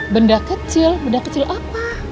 benda kecil benda kecil apa